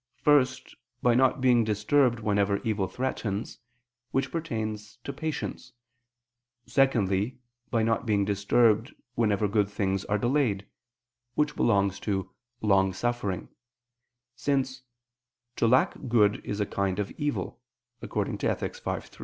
First, by not being disturbed whenever evil threatens: which pertains to "patience"; secondly, by not being disturbed, whenever good things are delayed; which belongs to "long suffering," since "to lack good is a kind of evil" (Ethic. v, 3).